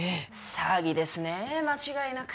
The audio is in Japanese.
詐欺ですね間違いなく。